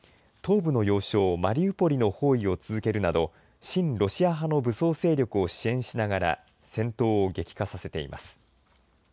東部の要衝マリウポリの包囲を続けるなど親ロシア派の武装勢力を支援しながら戦闘を激化させています。